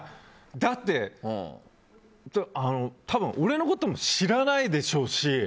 だって多分俺のことも知らないでしょうし。